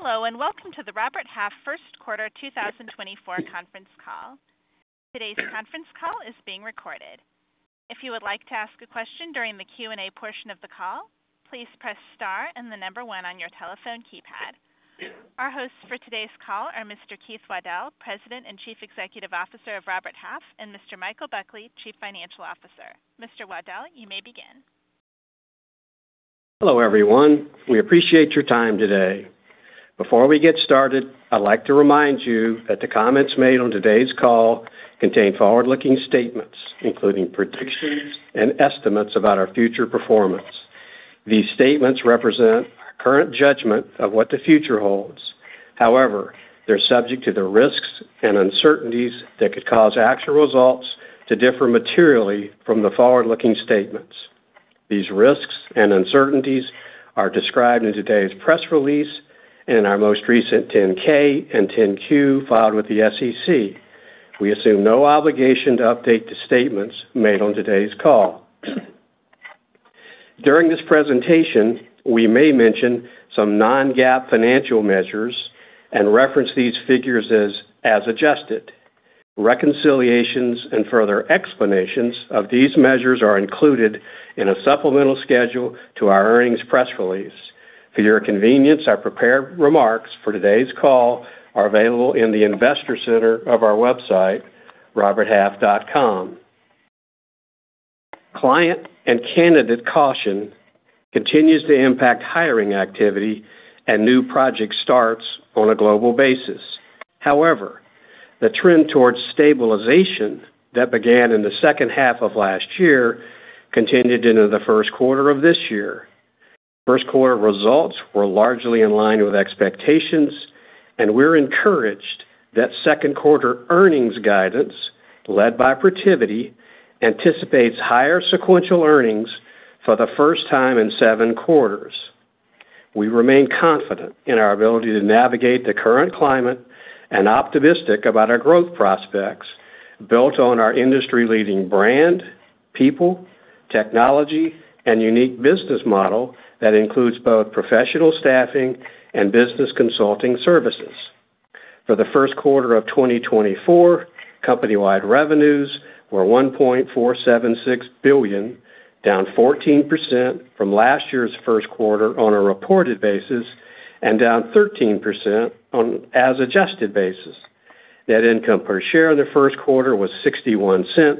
Hello and welcome to the Robert Half First Quarter 2024 Conference Call. Today's conference call is being recorded. If you would like to ask a question during the Q&A portion of the call, please press star and the number one on your telephone keypad. Our hosts for today's call are Mr. Keith Waddell, President and Chief Executive Officer of Robert Half, and Mr. Michael Buckley, Chief Financial Officer. Mr. Waddell, you may begin. Hello everyone. We appreciate your time today. Before we get started, I'd like to remind you that the comments made on today's call contain forward-looking statements, including predictions and estimates about our future performance. These statements represent our current judgment of what the future holds. However, they're subject to the risks and uncertainties that could cause actual results to differ materially from the forward-looking statements. These risks and uncertainties are described in today's press release and in our most recent 10-K and 10-Q filed with the SEC. We assume no obligation to update the statements made on today's call. During this presentation, we may mention some non-GAAP financial measures and reference these figures as adjusted. Reconciliations and further explanations of these measures are included in a supplemental schedule to our earnings press release. For your convenience, our prepared remarks for today's call are available in the Investor Center of our website, roberthalf.com. Client and candidate caution continues to impact hiring activity and new project starts on a global basis. However, the trend towards stabilization that began in the second half of last year continued into the first quarter of this year. First quarter results were largely in line with expectations, and we're encouraged that second quarter earnings guidance, led by Protiviti, anticipates higher sequential earnings for the first time in seven quarters. We remain confident in our ability to navigate the current climate and optimistic about our growth prospects built on our industry-leading brand, people, technology, and unique business model that includes both professional staffing and business consulting services. For the first quarter of 2024, company-wide revenues were $1.476 billion, down 14% from last year's first quarter on a reported basis and down 13% on an adjusted basis. Net income per share in the first quarter was $0.61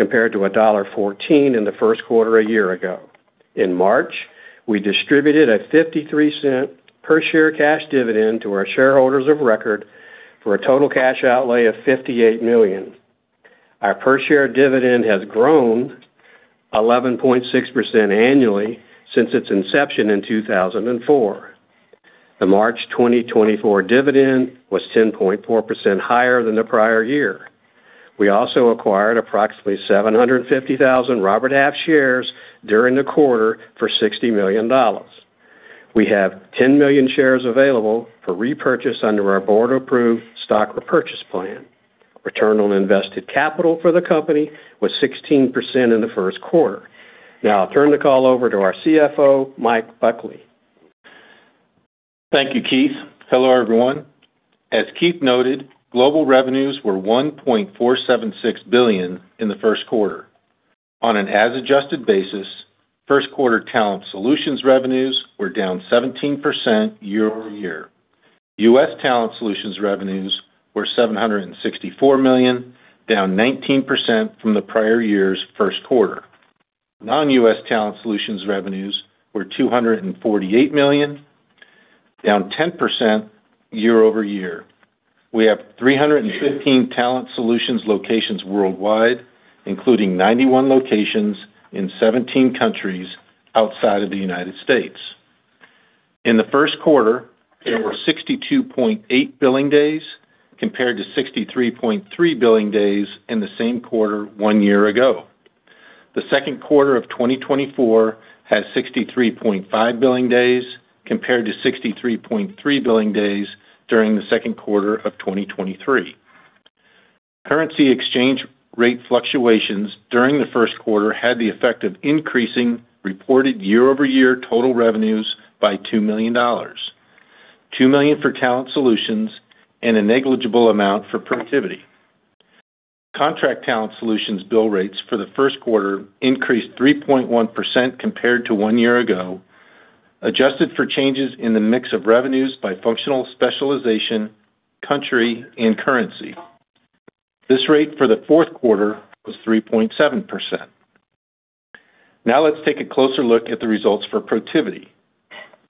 compared to $1.14 in the first quarter a year ago. In March, we distributed a $0.53 per share cash dividend to our shareholders of record for a total cash outlay of $58 million. Our per share dividend has grown 11.6% annually since its inception in 2004. The March 2024 dividend was 10.4% higher than the prior year. We also acquired approximately 750,000 Robert Half shares during the quarter for $60 million. We have 10 million shares available for repurchase under our board-approved stock repurchase plan. Return on invested capital for the company was 16% in the first quarter. Now I'll turn the call over to our CFO, Mike Buckley. Thank you, Keith. Hello everyone. As Keith noted, global revenues were $1.476 billion in the first quarter. On an adjusted basis, first quarter talent solutions revenues were down 17% year-over-year. U.S. talent solutions revenues were $764 million, down 19% from the prior year's first quarter. Non-U.S. talent solutions revenues were $248 million, down 10% year-over-year. We have 315 talent solutions locations worldwide, including 91 locations in 17 countries outside of the United States. In the first quarter, there were 62.8 billing days compared to 63.3 billing days in the same quarter one year ago. The second quarter of 2024 has 63.5 billing days compared to 63.3 billing days during the second quarter of 2023. Currency exchange rate fluctuations during the first quarter had the effect of increasing reported year-over-year total revenues by $2 million, $2 million for talent solutions, and a negligible amount for Protiviti. Contract Talent Solutions bill rates for the first quarter increased 3.1% compared to one year ago, adjusted for changes in the mix of revenues by functional specialization, country, and currency. This rate for the fourth quarter was 3.7%. Now let's take a closer look at the results for Protiviti.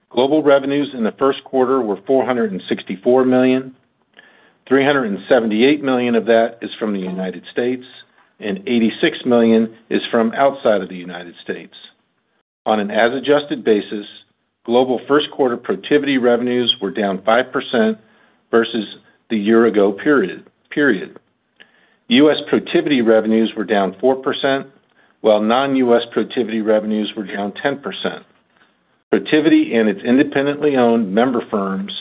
Global revenues in the first quarter were $464 million. $378 million of that is from the United States, and $86 million is from outside of the United States. On an adjusted basis, global first quarter Protiviti revenues were down 5% versus the year-ago period. U.S. Protiviti revenues were down 4%, while non-U.S. Protiviti revenues were down 10%. Protiviti and its independently owned member firms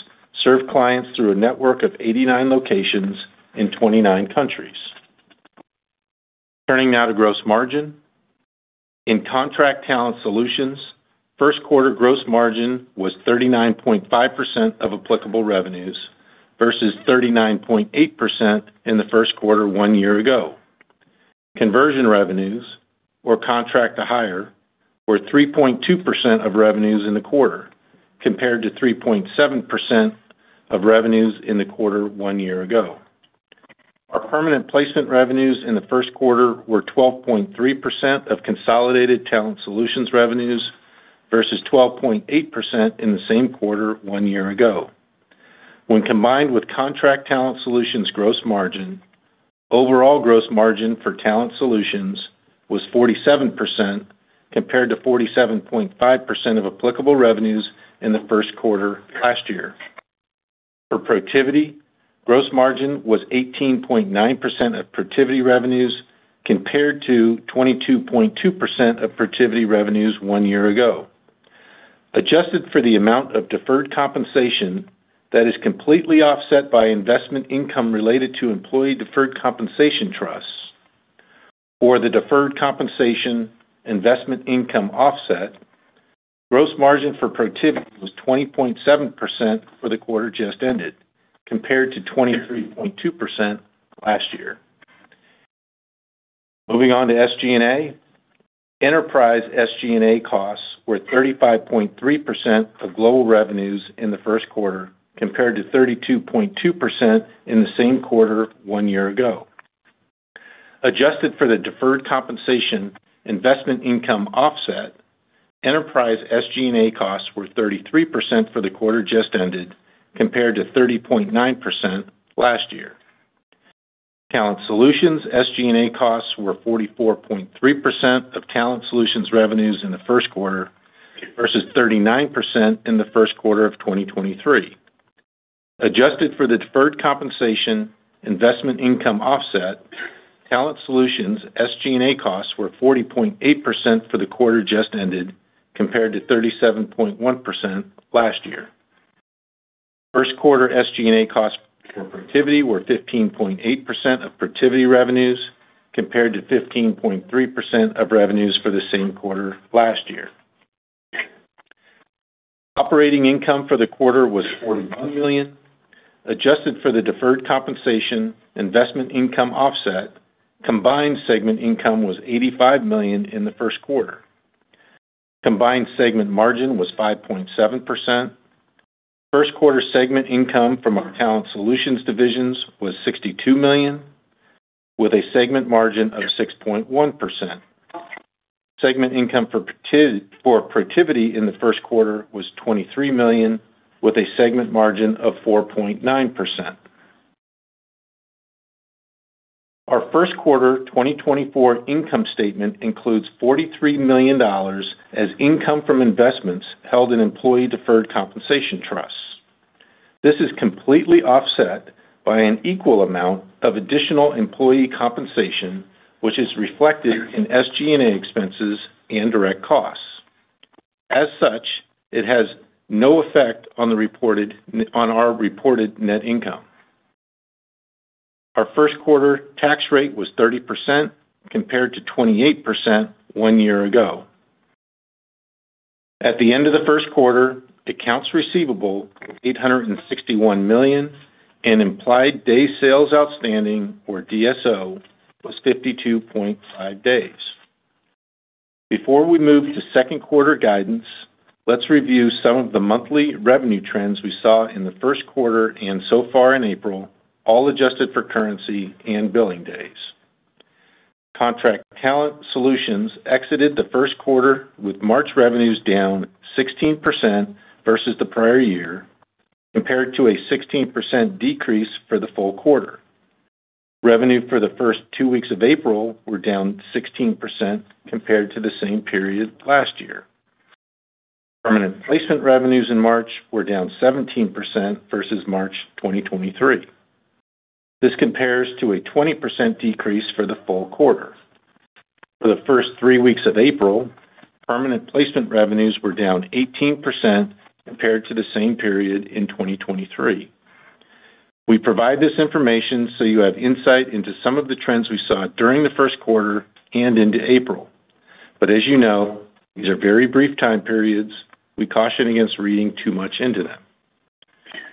serve clients through a network of 89 locations in 29 countries. Turning now to gross margin. In Contract Talent Solutions, first quarter gross margin was 39.5% of applicable revenues versus 39.8% in the first quarter one year ago. Conversion revenues, or contract-to-hire, were 3.2% of revenues in the quarter compared to 3.7% of revenues in the quarter one year ago. Our permanent placement revenues in the first quarter were 12.3% of consolidated Talent Solutions revenues versus 12.8% in the same quarter one year ago. When combined with Contract Talent Solutions gross margin, overall gross margin for Talent Solutions was 47% compared to 47.5% of applicable revenues in the first quarter last year. For Protiviti, gross margin was 18.9% of Protiviti revenues compared to 22.2% of Protiviti revenues one year ago. Adjusted for the amount of deferred compensation that is completely offset by investment income related to employee deferred compensation trusts or the deferred compensation investment income offset, gross margin for Protiviti was 20.7% for the quarter just ended compared to 23.2% last year. Moving on to SG&A. Enterprise SG&A costs were 35.3% of global revenues in the first quarter compared to 32.2% in the same quarter one year ago. Adjusted for the deferred compensation investment income offset, Enterprise SG&A costs were 33% for the quarter just ended compared to 30.9% last year. Talent Solutions SG&A costs were 44.3% of Talent Solutions revenues in the first quarter versus 39% in the first quarter of 2023. Adjusted for the deferred compensation investment income offset, Talent Solutions SG&A costs were 40.8% for the quarter just ended compared to 37.1% last year. First quarter SG&A costs for Protiviti were 15.8% of Protiviti revenues compared to 15.3% of revenues for the same quarter last year. Operating income for the quarter was $41 million. Adjusted for the deferred compensation investment income offset, combined segment income was $85 million in the first quarter. Combined segment margin was 5.7%. First quarter segment income from our Talent Solutions divisions was $62 million with a segment margin of 6.1%. Segment income for Protiviti in the first quarter was $23 million with a segment margin of 4.9%. Our first quarter 2024 income statement includes $43 million as income from investments held in employee deferred compensation trusts. This is completely offset by an equal amount of additional employee compensation, which is reflected in SG&A expenses and direct costs. As such, it has no effect on our reported net income. Our first quarter tax rate was 30% compared to 28% one year ago. At the end of the first quarter, accounts receivable were $861 million, and implied Days Sales Outstanding, or DSO, was 52.5 days. Before we move to second quarter guidance, let's review some of the monthly revenue trends we saw in the first quarter and so far in April, all adjusted for currency and billing days. Contract Talent Solutions exited the first quarter with March revenues down 16% versus the prior year compared to a 16% decrease for the full quarter. Revenue for the first two weeks of April were down 16% compared to the same period last year. Permanent Placement revenues in March were down 17% versus March 2023. This compares to a 20% decrease for the full quarter. For the first three weeks of April, permanent placement revenues were down 18% compared to the same period in 2023. We provide this information so you have insight into some of the trends we saw during the first quarter and into April. But as you know, these are very brief time periods. We caution against reading too much into them.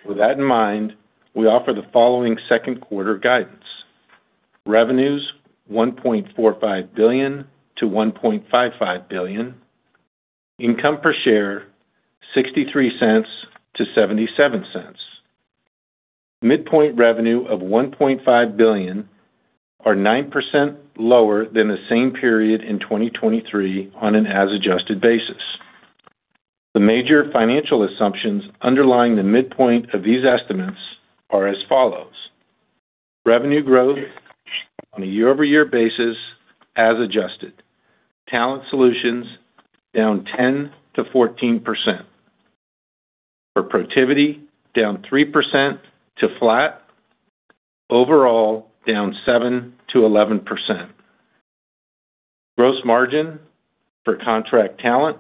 With that in mind, we offer the following second quarter guidance: revenues $1.45 billion-$1.55 billion, income per share $0.63-$0.77. Midpoint revenue of $1.5 billion are 9% lower than the same period in 2023 on an adjusted basis. The major financial assumptions underlying the midpoint of these estimates are as follows: revenue growth on a year-over-year basis as adjusted, Talent Solutions down 10%-14%, for Protiviti down 3% to flat, overall down 7%-11%, gross margin for contract talent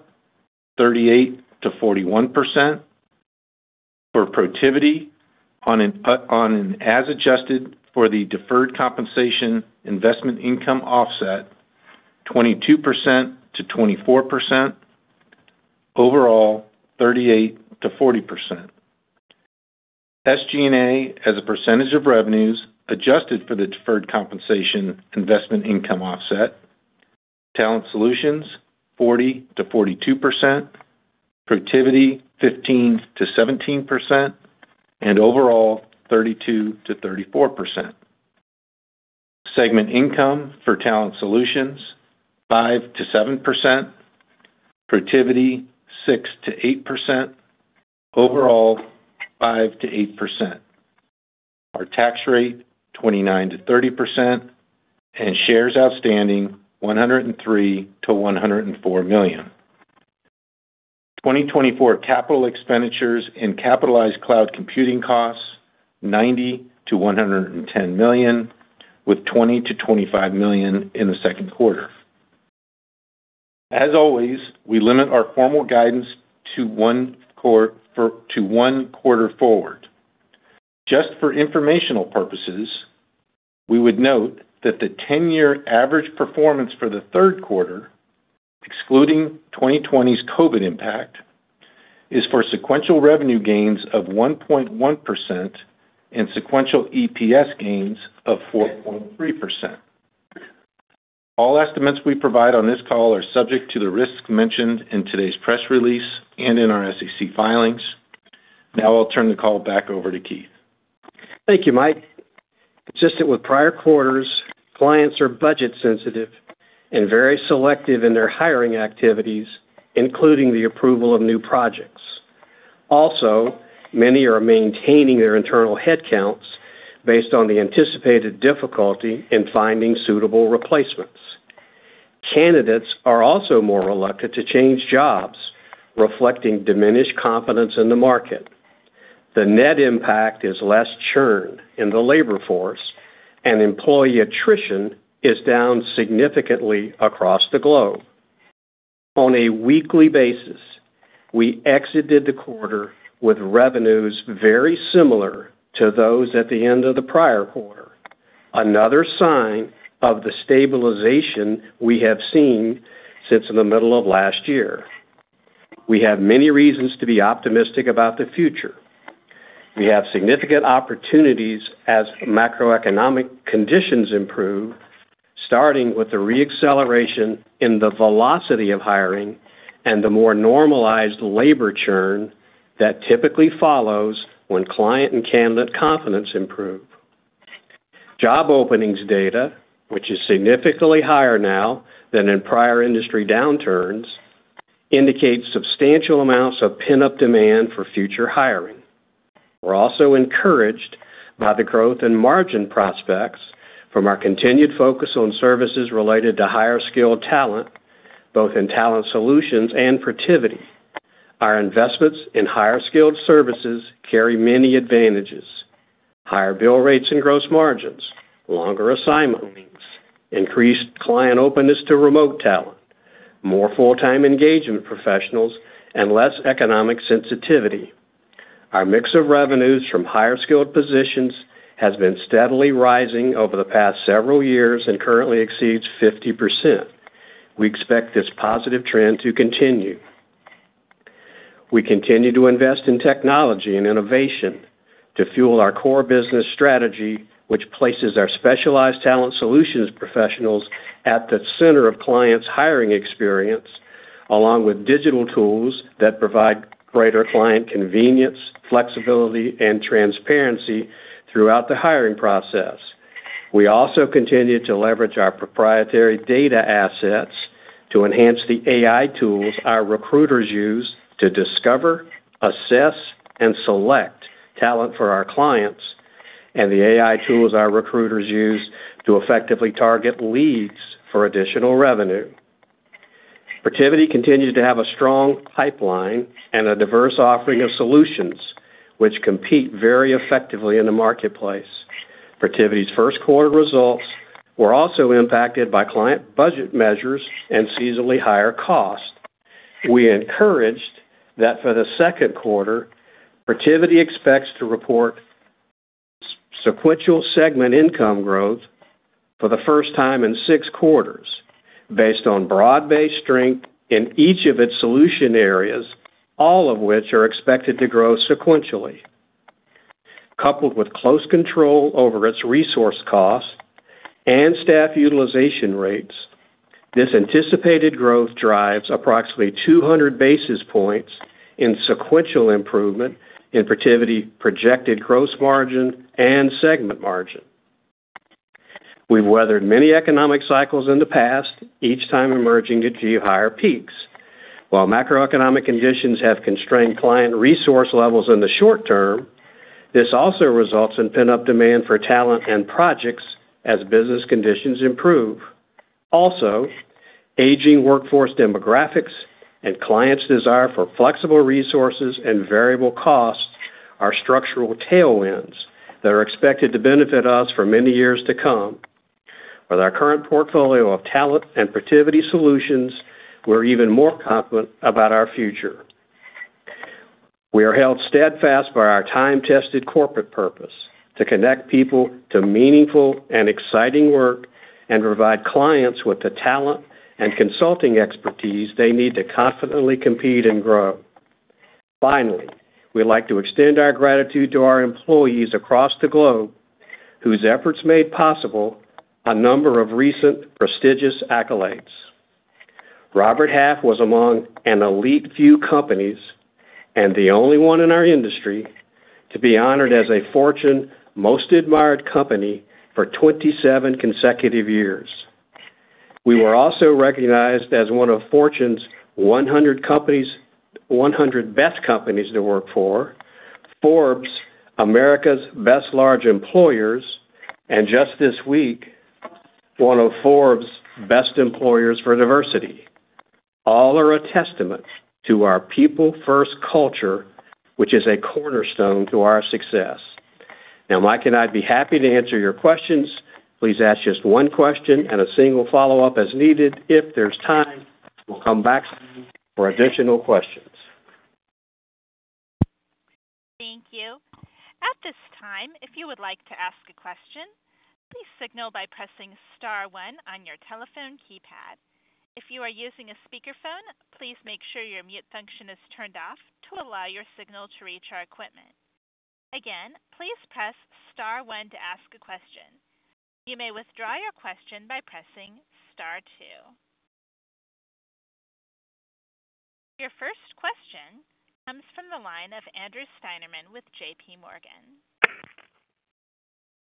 38%-41%, for Protiviti on an adjusted for the deferred compensation investment income offset 22%-24%, overall 38%-40%, SG&A as a percentage of revenues adjusted for the deferred compensation investment income offset, Talent Solutions 40%-42%, Protiviti 15%-17%, and overall 32%-34%, segment income for Talent Solutions 5%-7%, Protiviti 6%-8%, overall 5%-8%, our tax rate 29%-30%, and shares outstanding 103-104 million. 2024 capital expenditures and capitalized cloud computing costs $90-$110 million, with $20-$25 million in the second quarter. As always, we limit our formal guidance to one quarter forward. Just for informational purposes, we would note that the 10-year average performance for the third quarter, excluding 2020's COVID impact, is for sequential revenue gains of 1.1% and sequential EPS gains of 4.3%. All estimates we provide on this call are subject to the risks mentioned in today's press release and in our SEC filings. Now I'll turn the call back over to Keith. Thank you, Mike. Consistent with prior quarters, clients are budget-sensitive and very selective in their hiring activities, including the approval of new projects. Also, many are maintaining their internal headcounts based on the anticipated difficulty in finding suitable replacements. Candidates are also more reluctant to change jobs, reflecting diminished confidence in the market. The net impact is less churn in the labor force, and employee attrition is down significantly across the globe. On a weekly basis, we exited the quarter with revenues very similar to those at the end of the prior quarter, another sign of the stabilization we have seen since the middle of last year. We have many reasons to be optimistic about the future. We have significant opportunities as macroeconomic conditions improve, starting with the reacceleration in the velocity of hiring and the more normalized labor churn that typically follows when client and candidate confidence improve. Job openings data, which is significantly higher now than in prior industry downturns, indicates substantial amounts of pent-up demand for future hiring. We're also encouraged by the growth in margin prospects from our continued focus on services related to higher-skilled talent, both in Talent Solutions and Protiviti. Our investments in higher-skilled services carry many advantages: higher bill rates and gross margins, longer assignments, increased client openness to remote talent, more full-time engagement professionals, and less economic sensitivity. Our mix of revenues from higher-skilled positions has been steadily rising over the past several years and currently exceeds 50%. We expect this positive trend to continue. We continue to invest in technology and innovation to fuel our core business strategy, which places our specialized Talent Solutions professionals at the center of clients' hiring experience, along with digital tools that provide greater client convenience, flexibility, and transparency throughout the hiring process. We also continue to leverage our proprietary data assets to enhance the AI tools our recruiters use to discover, assess, and select talent for our clients, and the AI tools our recruiters use to effectively target leads for additional revenue. Protiviti continues to have a strong pipeline and a diverse offering of solutions, which compete very effectively in the marketplace. Protiviti's first quarter results were also impacted by client budget measures and seasonally higher cost. We're encouraged that for the second quarter, Protiviti expects to report sequential segment income growth for the first time in six quarters based on broad-based strength in each of its solution areas, all of which are expected to grow sequentially. Coupled with close control over its resource costs and staff utilization rates, this anticipated growth drives approximately 200 basis points in sequential improvement in Protiviti's projected gross margin and segment margin. We've weathered many economic cycles in the past, each time emerging to achieve higher peaks. While macroeconomic conditions have constrained client resource levels in the short term, this also results in pent-up demand for talent and projects as business conditions improve. Also, aging workforce demographics and clients' desire for flexible resources and variable costs are structural tailwinds that are expected to benefit us for many years to come. With our current portfolio of talent and Protiviti solutions, we're even more confident about our future. We are held steadfast by our time-tested corporate purpose to connect people to meaningful and exciting work and provide clients with the talent and consulting expertise they need to confidently compete and grow. Finally, we'd like to extend our gratitude to our employees across the globe whose efforts made possible a number of recent prestigious accolades. Robert Half was among an elite few companies and the only one in our industry to be honored as a Fortune Most Admired Company for 27 consecutive years. We were also recognized as one of Fortune's 100 Best Companies to Work For, Forbes America's Best Large Employers, and just this week, one of Forbes' Best Employers for Diversity. All are a testament to our people-first culture, which is a cornerstone to our success. Now, Mike and I'd be happy to answer your questions. Please ask just one question and a single follow-up as needed. If there's time, we'll come back for additional questions. Thank you. At this time, if you would like to ask a question, please signal by pressing star one on your telephone keypad. If you are using a speakerphone, please make sure your mute function is turned off to allow your signal to reach our equipment. Again, please press star one to ask a question. You may withdraw your question by pressing star two. Your first question comes from the line of Andrew Steinerman with J.P. Morgan.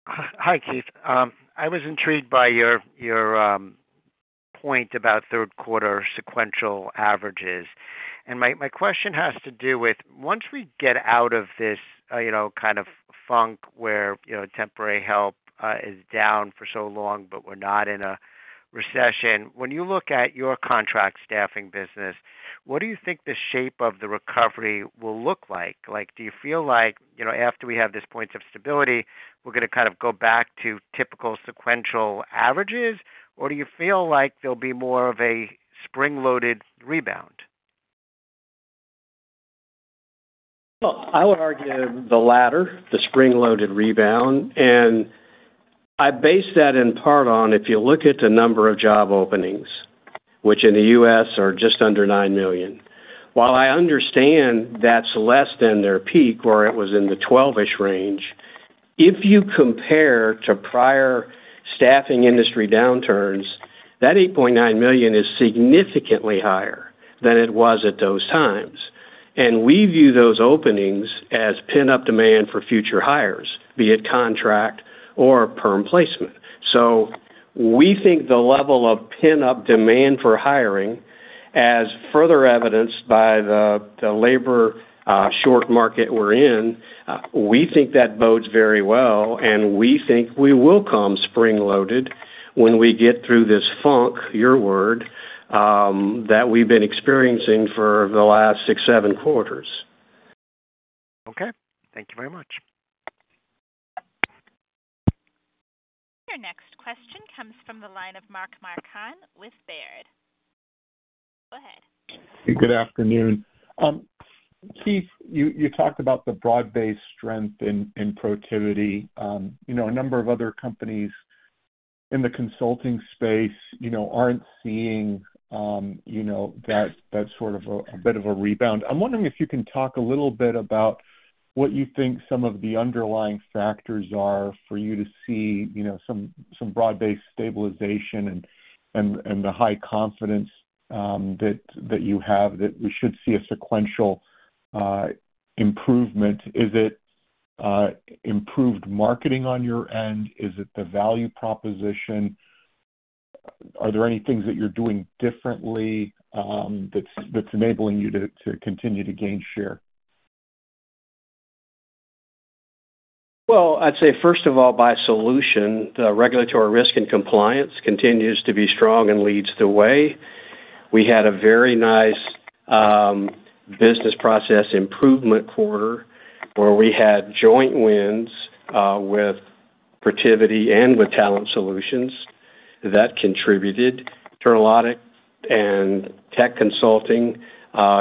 Hi, Keith. I was intrigued by your point about third-quarter sequential averages. My question has to do with once we get out of this kind of funk where temporary help is down for so long but we're not in a recession, when you look at your contract staffing business, what do you think the shape of the recovery will look like? Do you feel like after we have this point of stability, we're going to kind of go back to typical sequential averages, or do you feel like there'll be more of a spring-loaded rebound? Well, I would argue the latter, the spring-loaded rebound. And I base that in part on if you look at the number of job openings, which in the U.S. are just under nine million. While I understand that's less than their peak where it was in the 12-ish range, if you compare to prior staffing industry downturns, that 8.9 million is significantly higher than it was at those times. And we view those openings as pent-up demand for future hires, be it contract or permanent placement. So we think the level of pent-up demand for hiring, as further evidenced by the labor short market we're in, we think that bodes very well. And we think we will come spring-loaded when we get through this funk, your word, that we've been experiencing for the last six, seven quarters. Okay. Thank you very much. Your next question comes from the line of Mark Marcon with Baird. Go ahead. Good afternoon. Keith, you talked about the broad-based strength in Protiviti. A number of other companies in the consulting space aren't seeing that sort of a bit of a rebound. I'm wondering if you can talk a little bit about what you think some of the underlying factors are for you to see some broad-based stabilization and the high confidence that you have that we should see a sequential improvement? Is it improved marketing on your end? Is it the value proposition? Are there any things that you're doing differently that's enabling you to continue to gain share? Well, I'd say, first of all, by solution, the Regulatory Risk and Compliance continues to be strong and leads the way. We had a very nice Business Process Improvement quarter where we had joint wins with Protiviti and with Talent Solutions that contributed. Internal Audit and Technology Consulting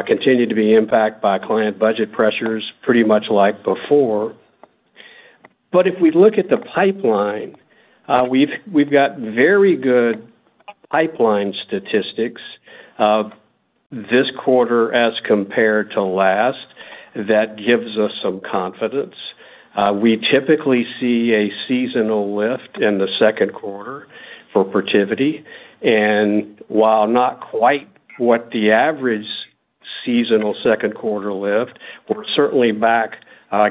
continue to be impacted by client budget pressures, pretty much like before. But if we look at the pipeline, we've got very good pipeline statistics this quarter as compared to last that gives us some confidence. We typically see a seasonal lift in the second quarter for Protiviti. And while not quite what the average seasonal second-quarter lift, we're certainly back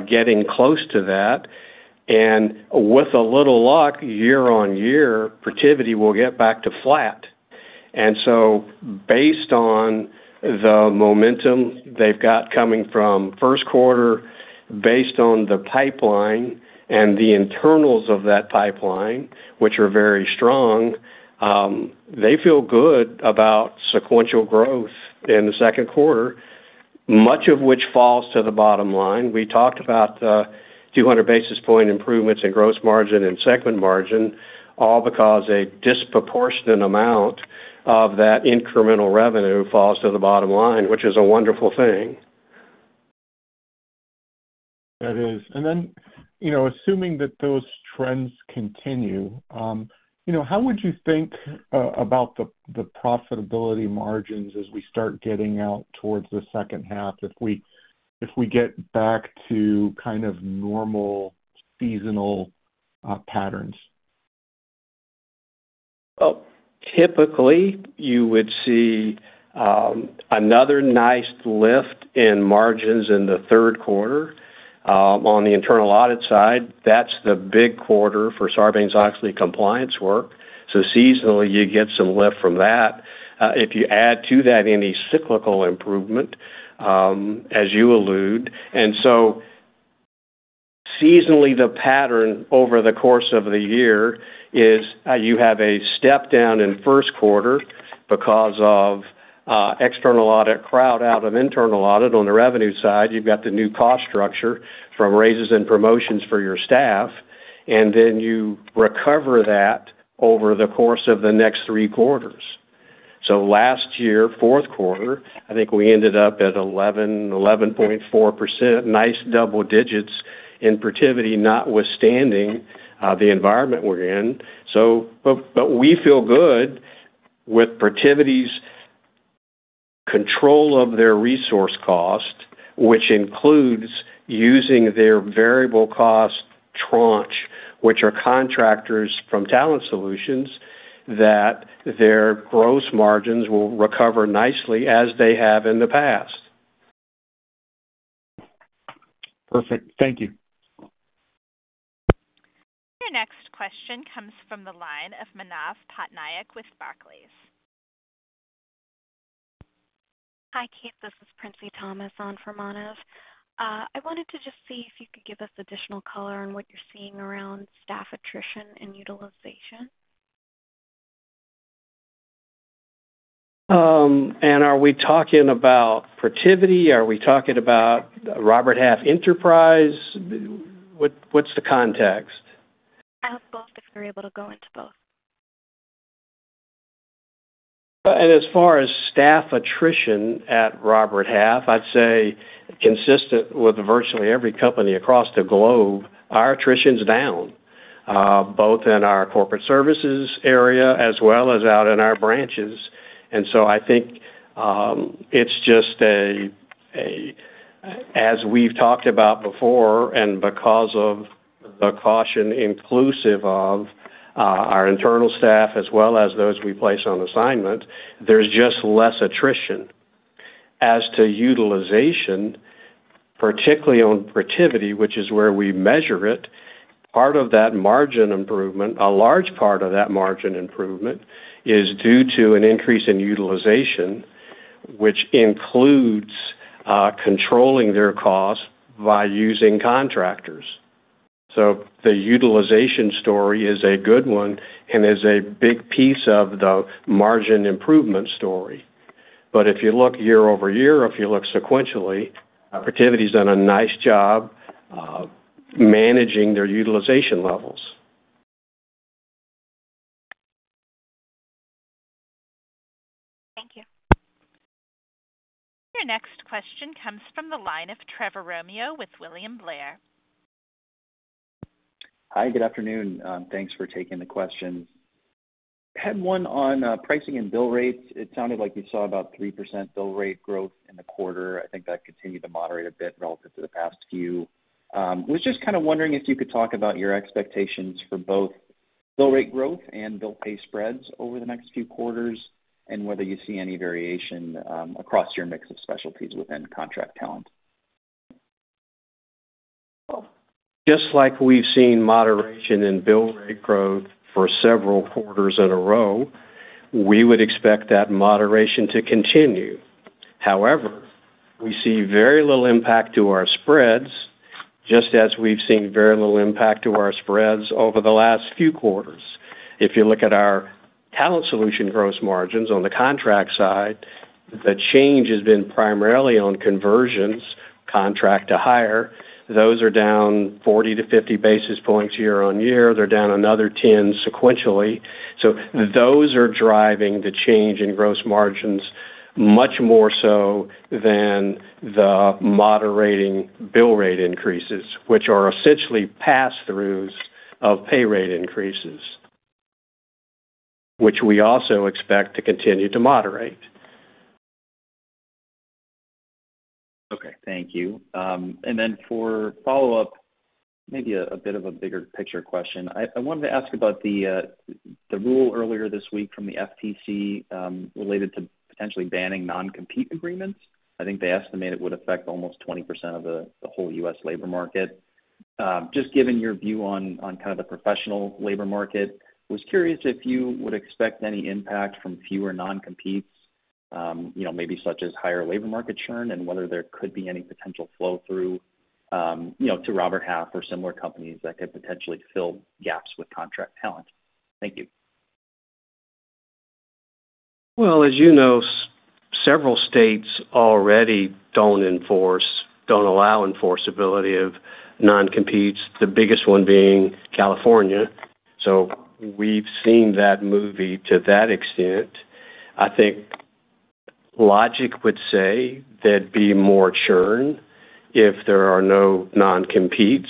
getting close to that. And with a little luck, year-on-year, Protiviti will get back to flat. Based on the momentum they've got coming from first quarter, based on the pipeline and the internals of that pipeline, which are very strong, they feel good about sequential growth in the second quarter, much of which falls to the bottom line. We talked about the 200 basis points improvements in gross margin and segment margin, all because a disproportionate amount of that incremental revenue falls to the bottom line, which is a wonderful thing. That is. And then assuming that those trends continue, how would you think about the profitability margins as we start getting out towards the second half if we get back to kind of normal seasonal patterns? Well, typically, you would see another nice lift in margins in the third quarter. On the internal audit side, that's the big quarter for Sarbanes-Oxley compliance work. So seasonally, you get some lift from that if you add to that any cyclical improvement, as you allude. And so seasonally, the pattern over the course of the year is you have a step down in first quarter because of external audit crowd out of internal audit. On the revenue side, you've got the new cost structure from raises and promotions for your staff. And then you recover that over the course of the next three quarters. So last year, fourth quarter, I think we ended up at 11.4%, nice double digits in Protiviti, notwithstanding the environment we're in. But we feel good with Protiviti's control of their resource cost, which includes using their variable cost tranche, which are contractors from Talent Solutions, that their gross margins will recover nicely as they have in the past. Perfect. Thank you. Your next question comes from the line of Manav Patnaik with Barclays. Hi, Keith. This is Princy Thomas from Manav. I wanted to just see if you could give us additional color on what you're seeing around staff attrition and utilization. Are we talking about Protiviti? Are we talking about Robert Half Enterprise? What's the context? I hope both, if you're able to go into both. As far as staff attrition at Robert Half, I'd say consistent with virtually every company across the globe, our attrition's down, both in our corporate services area as well as out in our branches. So I think it's just, as we've talked about before, and because of the caution inclusive of our internal staff as well as those we place on assignment, there's just less attrition. As to utilization, particularly on Protiviti, which is where we measure it, part of that margin improvement, a large part of that margin improvement, is due to an increase in utilization, which includes controlling their costs by using contractors. So the utilization story is a good one and is a big piece of the margin improvement story. But if you look year-over-year, if you look sequentially, Protiviti's done a nice job managing their utilization levels. Thank you. Your next question comes from the line of Trevor Romeo with William Blair. Hi. Good afternoon. Thanks for taking the question. I had one on pricing and bill rates. It sounded like you saw about 3% bill rate growth in the quarter. I think that continued to moderate a bit relative to the past few. I was just kind of wondering if you could talk about your expectations for both bill rate growth and bill pay spreads over the next few quarters and whether you see any variation across your mix of specialties within contract talent. Well, just like we've seen moderation in bill rate growth for several quarters in a row, we would expect that moderation to continue. However, we see very little impact to our spreads just as we've seen very little impact to our spreads over the last few quarters. If you look at our Talent Solutions gross margins on the contract side, the change has been primarily on conversions, contract to hire. Those are down 40-50 basis points year-over-year. They're down another 10 sequentially. So those are driving the change in gross margins much more so than the moderating bill rate increases, which are essentially pass-throughs of pay rate increases, which we also expect to continue to moderate. Okay. Thank you. And then for follow-up, maybe a bit of a bigger picture question, I wanted to ask about the rule earlier this week from the FTC related to potentially banning non-compete agreements. I think they estimate it would affect almost 20% of the whole U.S. labor market. Just given your view on kind of the professional labor market, I was curious if you would expect any impact from fewer non-competes, maybe such as higher labor market churn, and whether there could be any potential flow-through to Robert Half or similar companies that could potentially fill gaps with contract talent. Thank you. Well, as you know, several states already don't enforce, don't allow enforceability of non-competes, the biggest one being California. So we've seen that move to that extent. I think logic would say there'd be more churn if there are no non-competes,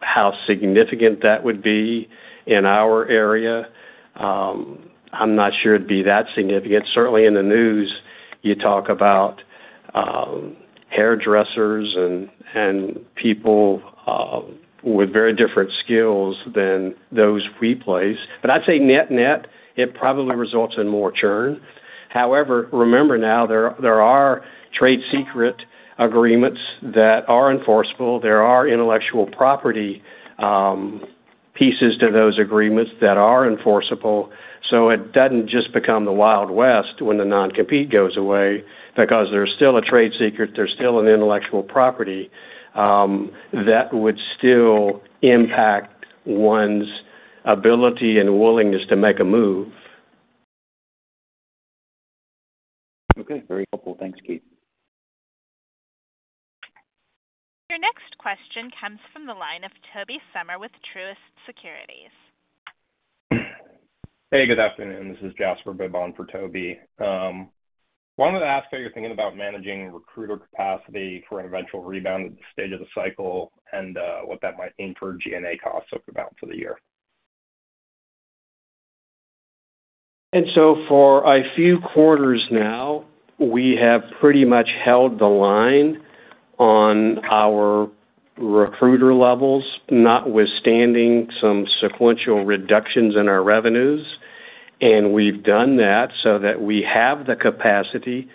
how significant that would be in our area. I'm not sure it'd be that significant. Certainly, in the news, you talk about hairdressers and people with very different skills than those we place. But I'd say net-net, it probably results in more churn. However, remember now, there are trade secret agreements that are enforceable. There are intellectual property pieces to those agreements that are enforceable. So it doesn't just become the Wild West when the non-compete goes away because there's still a trade secret. There's still an intellectual property that would still impact one's ability and willingness to make a move. Okay. Very helpful. Thanks, Keith. Your next question comes from the line of Toby Sommer with Truist Securities. Hey. Good afternoon. This is Jasper Bibb for Toby. I wanted to ask how you're thinking about managing recruiter capacity for an eventual rebound at the stage of the cycle and what that might mean for G&A costs over the balance of the year. And so for a few quarters now, we have pretty much held the line on our recruiter levels, notwithstanding some sequential reductions in our revenues. And we've done that so that we have the capacity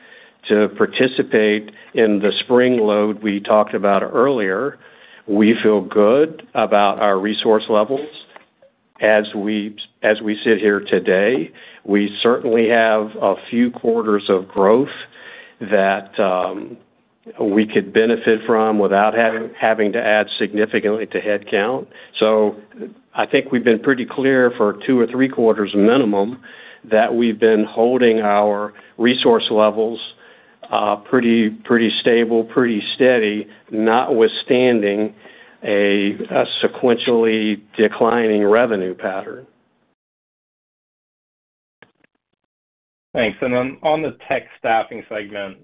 to participate in the spring load we talked about earlier. We feel good about our resource levels as we sit here today. We certainly have a few quarters of growth that we could benefit from without having to add significantly to headcount. So I think we've been pretty clear for two or three quarters minimum that we've been holding our resource levels pretty stable, pretty steady, notwithstanding a sequentially declining revenue pattern. Thanks. And then on the tech staffing segment,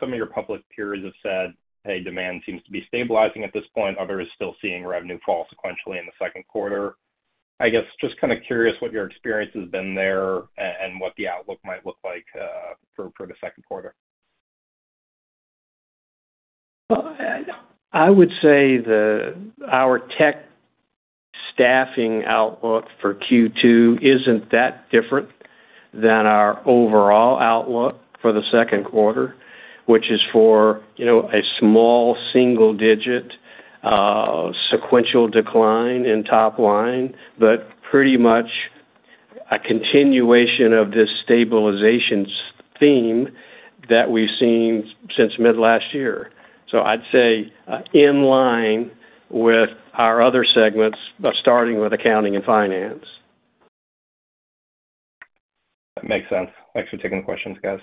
some of your public peers have said, "Hey, demand seems to be stabilizing at this point. Others are still seeing revenue fall sequentially in the second quarter." I guess just kind of curious what your experience has been there and what the outlook might look like for the second quarter. Well, I would say our tech staffing outlook for Q2 isn't that different than our overall outlook for the second quarter, which is for a small single-digit sequential decline in top line, but pretty much a continuation of this stabilization theme that we've seen since mid-last year. So I'd say in line with our other segments, starting with accounting and finance. That makes sense. Thanks for taking the questions, guys.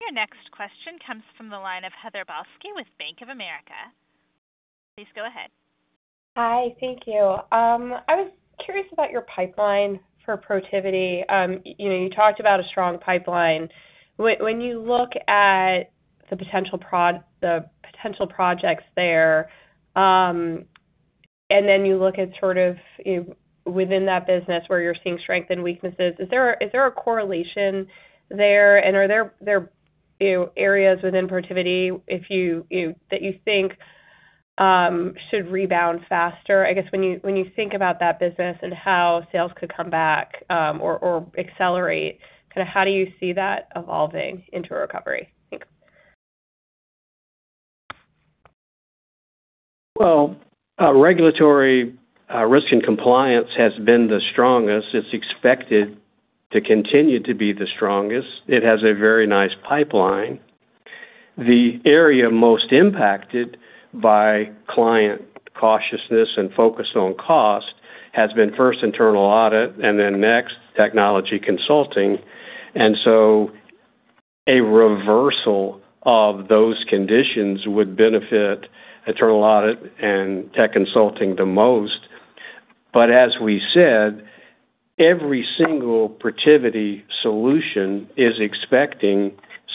Your next question comes from the line of Heather Balsky with Bank of America. Please go ahead. Hi. Thank you. I was curious about your pipeline for Protiviti. You talked about a strong pipeline. When you look at the potential projects there and then you look at sort of within that business where you're seeing strength and weaknesses, is there a correlation there? Are there areas within Protiviti that you think should rebound faster? I guess when you think about that business and how sales could come back or accelerate, kind of how do you see that evolving into a recovery? Well, Regulatory Risk and Compliance has been the strongest. It's expected to continue to be the strongest. It has a very nice pipeline. The area most impacted by client cautiousness and focus on cost has been first Internal Audit and then next Technology Consulting. And so a reversal of those conditions would benefit Internal Audit and tech consulting the most. But as we said, every single Protiviti solution is expecting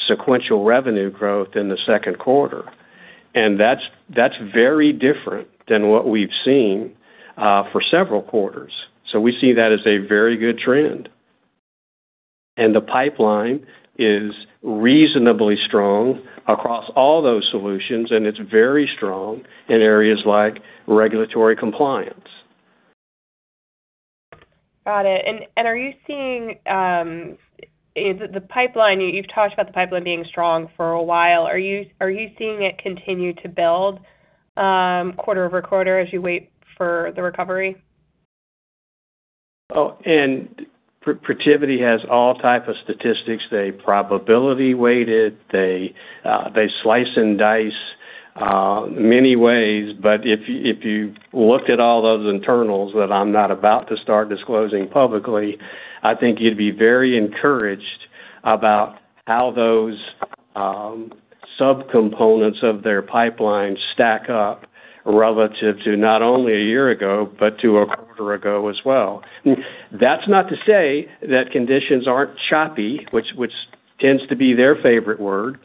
sequential revenue growth in the second quarter. And that's very different than what we've seen for several quarters. So we see that as a very good trend. And the pipeline is reasonably strong across all those solutions. And it's very strong in areas like Regulatory Compliance. Got it. And are you seeing the pipeline? You've talked about the pipeline being strong for a while. Are you seeing it continue to build quarter-over-quarter as you wait for the recovery? Oh. Protiviti has all types of statistics. They probability-weighted. They slice and dice many ways. But if you looked at all those internals that I'm not about to start disclosing publicly, I think you'd be very encouraged about how those subcomponents of their pipeline stack up relative to not only a year ago but to a quarter ago as well. That's not to say that conditions aren't choppy, which tends to be their favorite word.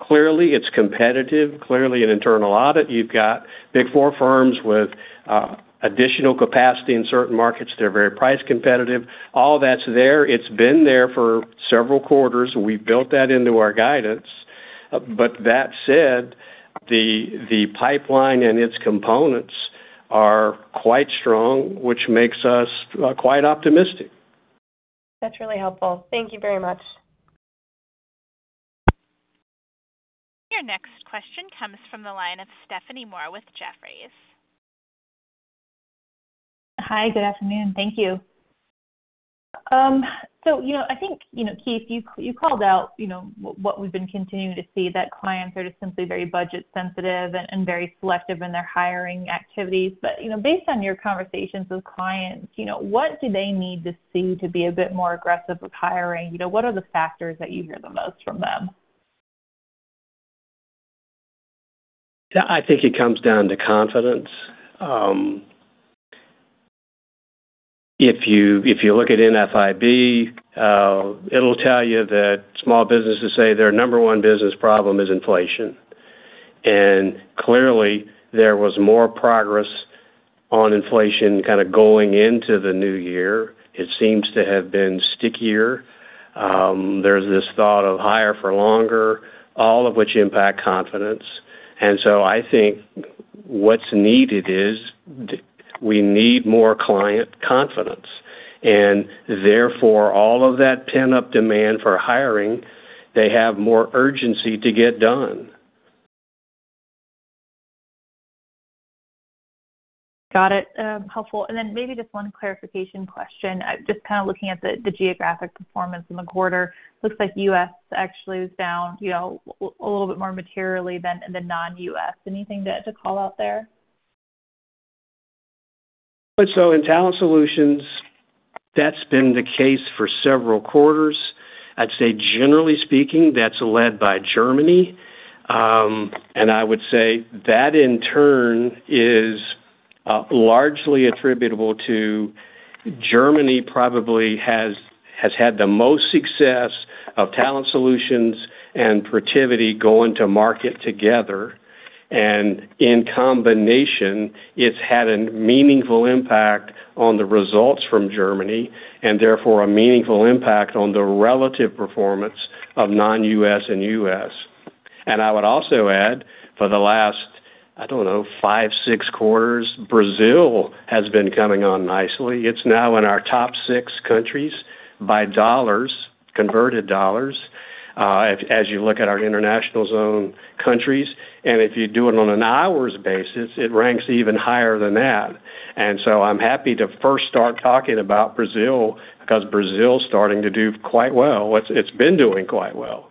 Clearly, it's competitive. Clearly, in internal audit, you've got Big Four firms with additional capacity in certain markets. They're very price competitive. All that's there. It's been there for several quarters. We've built that into our guidance. But that said, the pipeline and its components are quite strong, which makes us quite optimistic. That's really helpful. Thank you very much. Your next question comes from the line of Stephanie Moore with Jefferies. Hi. Good afternoon. Thank you. So I think, Keith, you called out what we've been continuing to see, that clients are just simply very budget-sensitive and very selective in their hiring activities. But based on your conversations with clients, what do they need to see to be a bit more aggressive with hiring? What are the factors that you hear the most from them? I think it comes down to confidence. If you look at NFIB, it'll tell you that small businesses say their number one business problem is inflation. And clearly, there was more progress on inflation kind of going into the new year. It seems to have been stickier. There's this thought of higher for longer, all of which impact confidence. And so I think what's needed is we need more client confidence. And therefore, all of that pent-up demand for hiring, they have more urgency to get done. Got it. Helpful. And then maybe just one clarification question. Just kind of looking at the geographic performance in the quarter, it looks like U.S. actually was down a little bit more materially than the non-U.S. Anything to call out there? So in Talent Solutions, that's been the case for several quarters. I'd say, generally speaking, that's led by Germany. And I would say that, in turn, is largely attributable to Germany probably has had the most success of Talent Solutions and Protiviti going to market together. And in combination, it's had a meaningful impact on the results from Germany and therefore a meaningful impact on the relative performance of non-U.S. and U.S. And I would also add, for the last, I don't know, five, six quarters, Brazil has been coming on nicely. It's now in our top six countries by dollars, converted dollars, as you look at our international zone countries. And if you do it on an hours basis, it ranks even higher than that. And so I'm happy to first start talking about Brazil because Brazil's starting to do quite well. It's been doing quite well.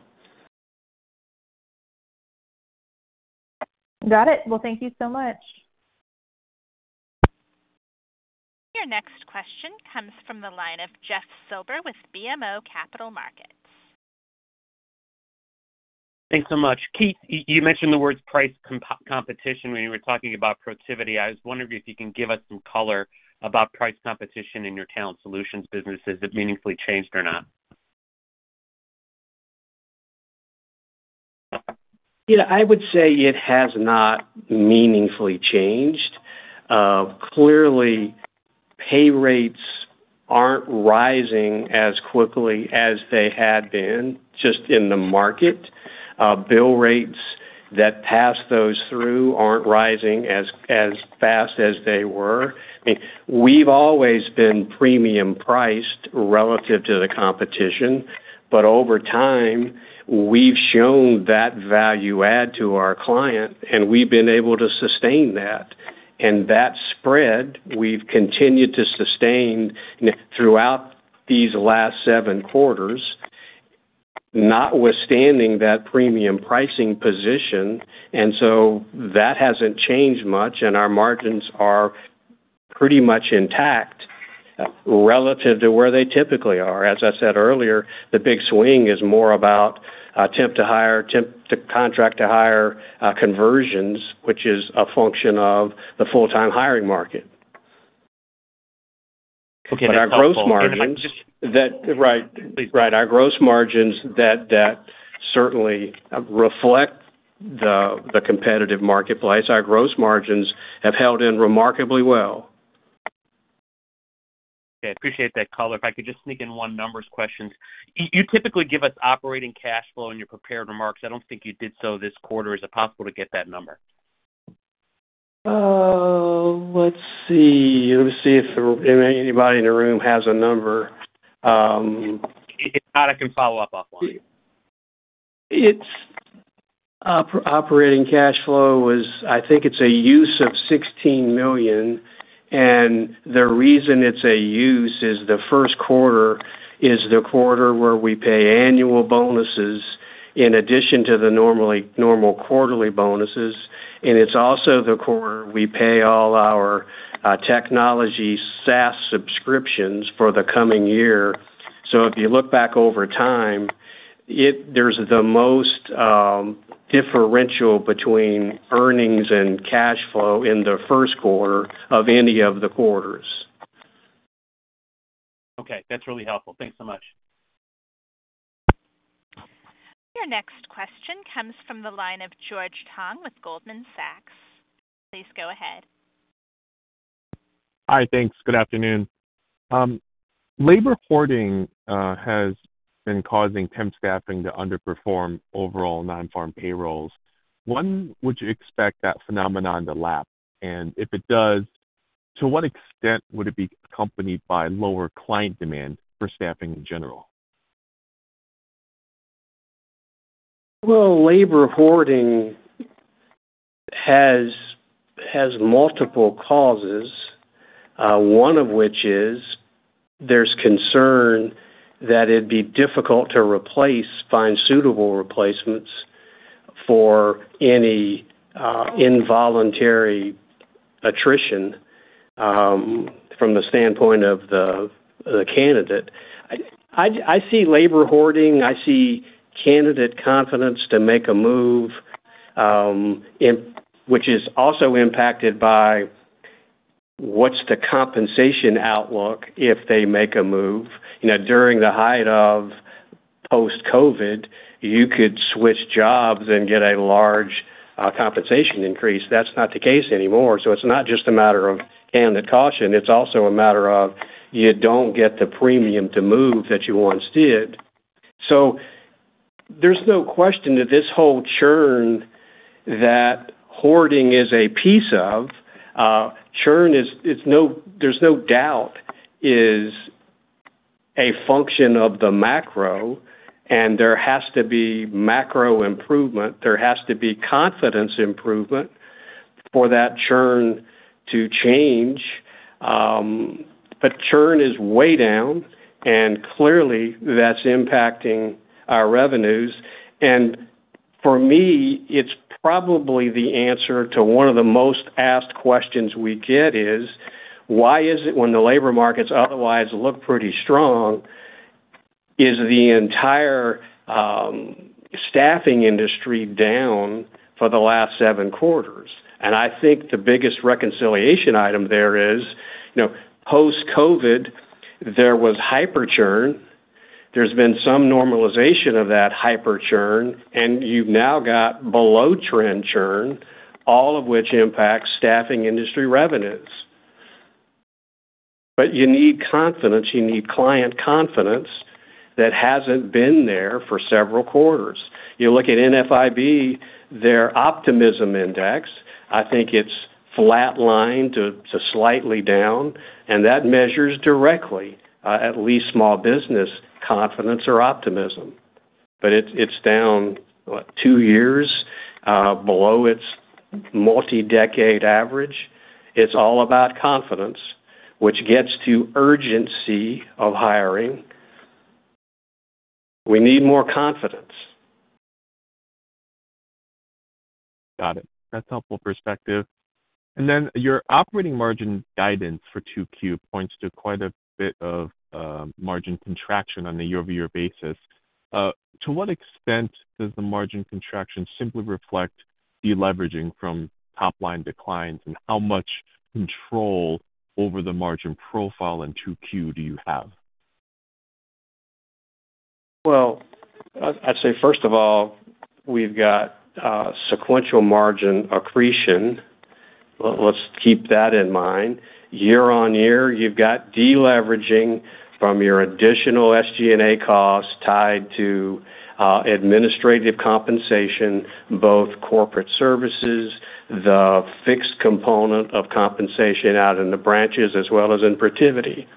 Got it. Well, thank you so much. Your next question comes from the line of Jeff Silber with BMO Capital Markets. Thanks so much. Keith, you mentioned the words price competition when you were talking about Protiviti. I was wondering if you can give us some color about price competition in your Talent Solutions business. Has it meaningfully changed or not? I would say it has not meaningfully changed. Clearly, pay rates aren't rising as quickly as they had been just in the market. Bill rates that pass those through aren't rising as fast as they were. I mean, we've always been premium-priced relative to the competition. But over time, we've shown that value add to our client, and we've been able to sustain that. And that spread, we've continued to sustain throughout these last seven quarters, notwithstanding that premium pricing position. And so that hasn't changed much. And our margins are pretty much intact relative to where they typically are. As I said earlier, the big swing is more about attempt to hire, attempt to contract to hire conversions, which is a function of the full-time hiring market. But our gross margins that right. Right. Our gross margins that certainly reflect the competitive marketplace. Our gross margins have held in remarkably well. Okay. I appreciate that color. If I could just sneak in one numbers question. You typically give us operating cash flow in your prepared remarks. I don't think you did so this quarter. Is it possible to get that number? Let's see. Let me see if anybody in the room has a number. If not, I can follow up offline. Operating cash flow was, I think, a use of $16 million. And the reason it's a use is the first quarter is the quarter where we pay annual bonuses in addition to the normal quarterly bonuses. And it's also the quarter we pay all our technology SaaS subscriptions for the coming year. So if you look back over time, there's the most differential between earnings and cash flow in the first quarter of any of the quarters. Okay. That's really helpful. Thanks so much. Your next question comes from the line of George Tong with Goldman Sachs. Please go ahead. Hi. Thanks. Good afternoon. Labor hoarding has been causing temp staffing to underperform overall non-farm payrolls. When would you expect that phenomenon to lapse? And if it does, to what extent would it be accompanied by lower client demand for staffing in general? Well, labor hoarding has multiple causes, one of which is there's concern that it'd be difficult to find suitable replacements for any involuntary attrition from the standpoint of the candidate. I see labor hoarding. I see candidate confidence to make a move, which is also impacted by what's the compensation outlook if they make a move. During the height of post-COVID, you could switch jobs and get a large compensation increase. That's not the case anymore. So it's not just a matter of candidate caution. It's also a matter of you don't get the premium to move that you once did. So there's no question that this whole churn, that hoarding is a piece of. Churn, there's no doubt, is a function of the macro. And there has to be macro improvement. There has to be confidence improvement for that churn to change. But churn is way down. Clearly, that's impacting our revenues. For me, it's probably the answer to one of the most asked questions we get is, "Why is it when the labor markets otherwise look pretty strong, is the entire staffing industry down for the last seven quarters?" I think the biggest reconciliation item there is post-COVID, there was hyperchurn. There's been some normalization of that hyperchurn. You've now got below-trend churn, all of which impacts staffing industry revenues. But you need confidence. You need client confidence that hasn't been there for several quarters. You look at NFIB, their optimism index, I think it's flatlined to slightly down. That measures directly at least small business confidence or optimism. But it's down, what, two years below its multi-decade average. It's all about confidence, which gets to urgency of hiring. We need more confidence. Got it. That's helpful perspective. And then your operating margin guidance for 2Q points to quite a bit of margin contraction on a year-over-year basis. To what extent does the margin contraction simply reflect the leveraging from top-line declines? And how much control over the margin profile in 2Q do you have? Well, I'd say, first of all, we've got sequential margin accretion. Let's keep that in mind. Year-on-year, you've got deleveraging from your additional SG&A costs tied to administrative compensation, both corporate services, the fixed component of compensation out in the branches, as well as in Protiviti.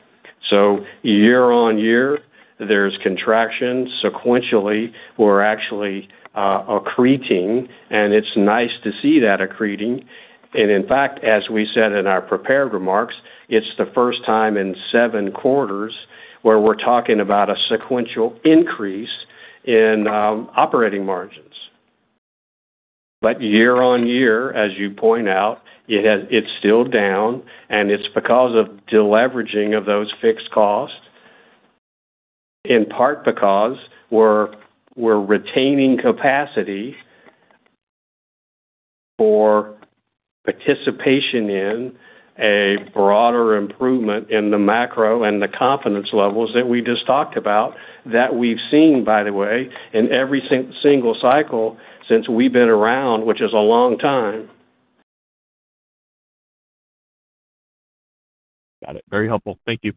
So year-on-year, there's contraction. Sequentially, we're actually accreting. And it's nice to see that accreting. And in fact, as we said in our prepared remarks, it's the first time in seven quarters where we're talking about a sequential increase in operating margins. But year-on-year, as you point out, it's still down. It's because of deleveraging of those fixed costs, in part because we're retaining capacity for participation in a broader improvement in the macro and the confidence levels that we just talked about that we've seen, by the way, in every single cycle since we've been around, which is a long time. Got it. Very helpful. Thank you.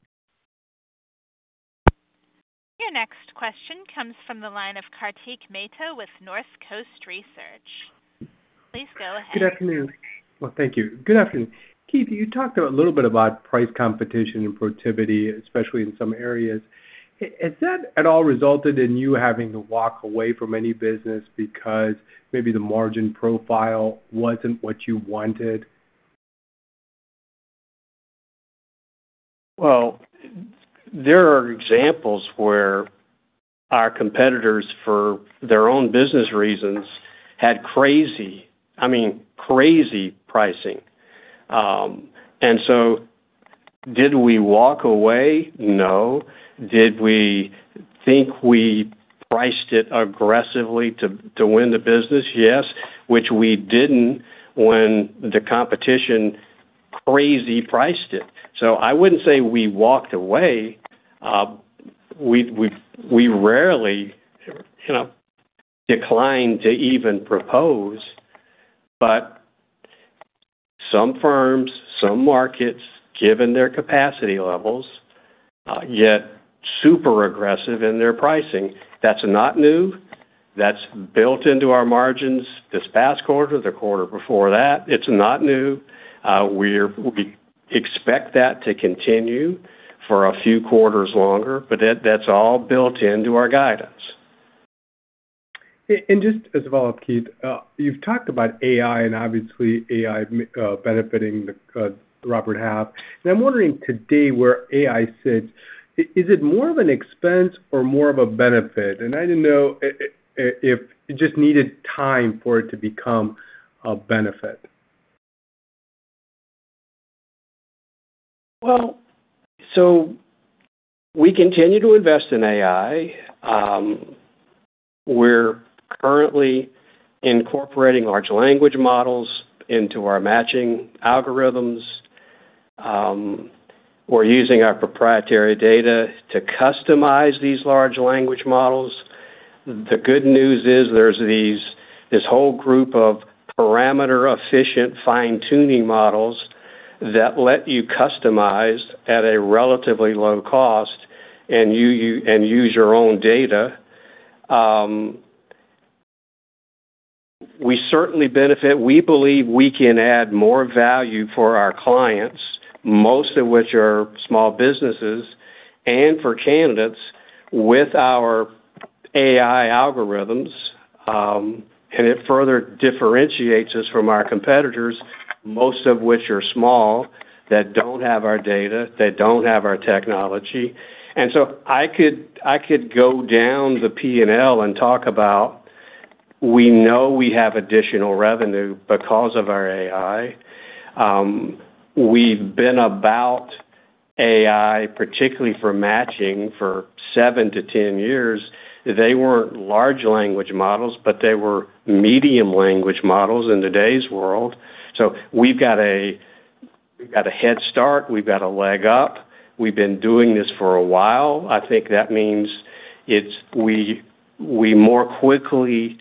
Your next question comes from the line of Kartik Mehta with North Coast Research. Please go ahead. Good afternoon. Well, thank you. Good afternoon. Keith, you talked a little bit about price competition and Protiviti, especially in some areas. Has that at all resulted in you having to walk away from any business because maybe the margin profile wasn't what you wanted? Well, there are examples where our competitors, for their own business reasons, had crazy, I mean, crazy pricing. And so did we walk away? No. Did we think we priced it aggressively to win the business? Yes, which we didn't when the competition crazy priced it. So I wouldn't say we walked away. We rarely declined to even propose. But some firms, some markets, given their capacity levels, get super aggressive in their pricing. That's not new. That's built into our margins this past quarter, the quarter before that. It's not new. We expect that to continue for a few quarters longer. But that's all built into our guidance. Just as a follow-up, Keith, you've talked about AI and obviously AI benefiting Robert Half. I'm wondering today where AI sits? Is it more of an expense or more of a benefit? I didn't know if it just needed time for it to become a benefit? Well, so we continue to invest in AI. We're currently incorporating large language models into our matching algorithms. We're using our proprietary data to customize these large language models. The good news is there's this whole group of parameter-efficient fine-tuning models that let you customize at a relatively low cost and use your own data. We certainly benefit. We believe we can add more value for our clients, most of which are small businesses, and for candidates with our AI algorithms. And it further differentiates us from our competitors, most of which are small that don't have our data, that don't have our technology. And so I could go down the P&L and talk about we know we have additional revenue because of our AI. We've been about AI, particularly for matching, for seven to 10 years. They weren't large language models, but they were medium language models in today's world. So we've got a head start. We've got a leg up. We've been doing this for a while. I think that means we more quickly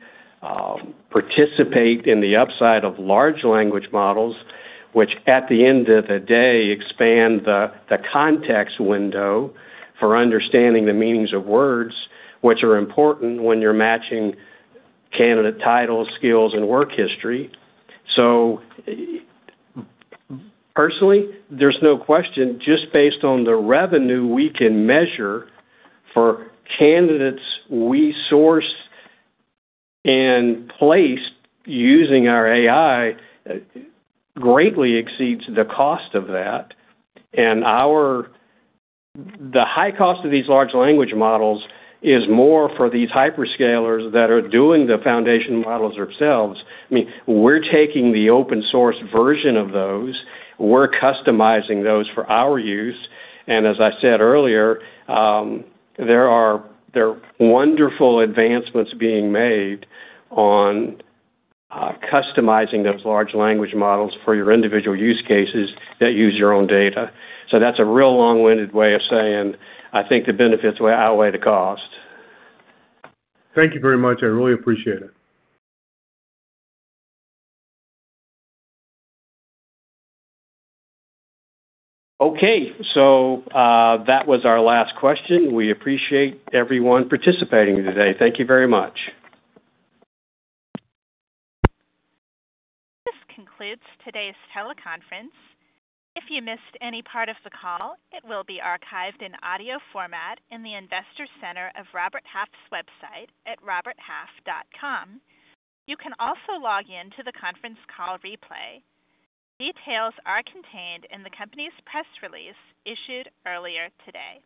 participate in the upside of large language models, which at the end of the day, expand the context window for understanding the meanings of words, which are important when you're matching candidate titles, skills, and work history. So personally, there's no question. Just based on the revenue we can measure for candidates we source and place using our AI, greatly exceeds the cost of that. And the high cost of these large language models is more for these hyperscalers that are doing the foundation models themselves. I mean, we're taking the open-source version of those. We're customizing those for our use. As I said earlier, there are wonderful advancements being made on customizing those large language models for your individual use cases that use your own data. That's a real long-winded way of saying, "I think the benefits outweigh the cost. Thank you very much. I really appreciate it. Okay. So that was our last question. We appreciate everyone participating today. Thank you very much. This concludes today's teleconference. If you missed any part of the call, it will be archived in audio format in the Investor Center of Robert Half's website at roberthalf.com. You can also log in to the conference call replay. Details are contained in the company's press release issued earlier today.